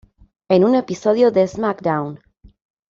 En un episodio de "Smackdown!